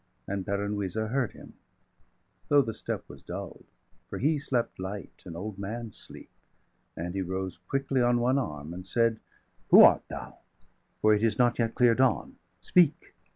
And Peran Wisa heard him, though the step Was dull'd; for he slept light, an old man's sleep; And he rose quickly on one arm, and said: 30 "Who art thou? for it is not yet clear dawn. Speak!